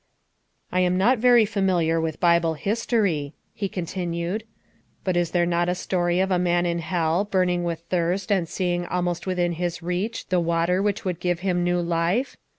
309 " I am not very familiar with Bible history," he continued, " but is there not a story of a man in hell, burning with thirst and seeing almost within his reach the water which would give him new life